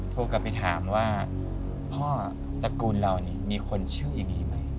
โทรกลับไปถามว่าพ่อตระกูลเรานี่มีคนชื่ออย่างนี้ไหม